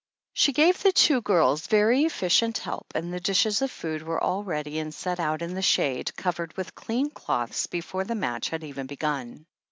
She gave the two girls very efficient help, and the dishes of food were all ready and set out in the shade, covered with clean cloths, before the match had even begun.